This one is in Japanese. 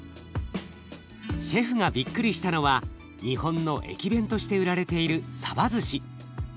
シェフがびっくりしたのは日本の駅弁として売られているさばずし。